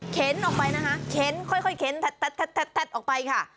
เข็นออกไปนะฮะเข็นค่อยเข็นแท็ดออกไปค่ะ